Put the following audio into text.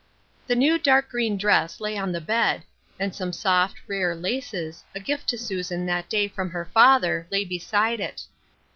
The new dark green dress lay on the bed, and some soft, rare laces, a gift to Susan that day from her father, lay beside it.